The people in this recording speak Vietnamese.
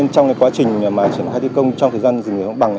trong quá trình triển khai thi công trong thời gian dừng dưới bằng